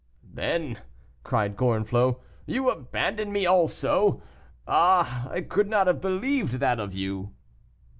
"Then," cried Gorenflot, "you abandon me also. Ah! I could not have believed that of you."